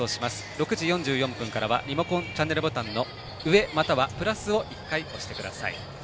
６時４４分からはリモコンのチャンネルボタンの上またはプラスを１回、押してください。